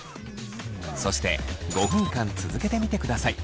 そして５分間続けてみてください。